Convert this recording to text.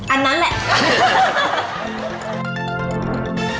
อันนั้นแหละ